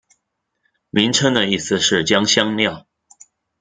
名称的意思是将香料。